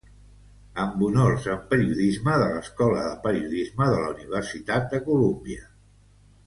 Amb honors en periodisme de l'Escola de Periodisme de la Universitat de Columbia.